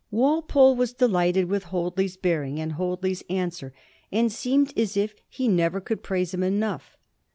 Walpole was delighted with Hoadley's bearing and Hoadley's answer, and seemed as if he never could praise him enough.